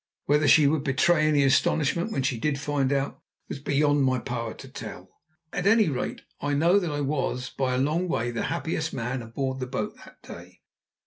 Whether she would betray any astonishment when she did find out was beyond my power to tell; at any rate, I know that I was by a long way the happiest man aboard the boat that day.